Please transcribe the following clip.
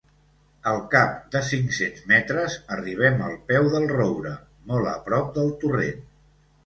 Al cap de cinc-cents metres arribem al peu del roure, molt a prop del torrent.